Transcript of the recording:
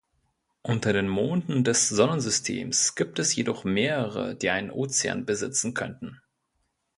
Unter den Monden des Sonnensystems gibt es jedoch mehrere, die einen Ozean besitzen könnten.